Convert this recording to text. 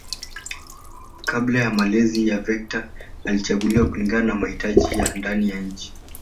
Kabla ya malezi ya vector alichaguliwa kulingana na mahitaji ya ndani ya nchi